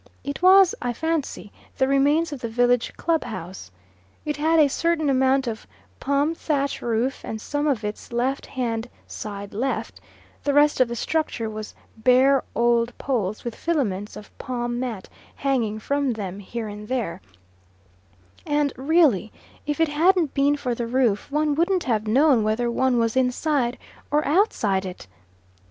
It was, I fancy, the remains of the village club house. It had a certain amount of palm thatch roof and some of its left hand side left, the rest of the structure was bare old poles with filaments of palm mat hanging from them here and there; and really if it hadn't been for the roof one wouldn't have known whether one was inside or outside it.